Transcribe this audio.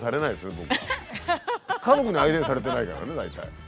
家族に相手にされてないからね大体。